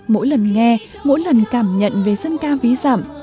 mỗi lần nghe mỗi lần cảm nhận về dân ca ví dặm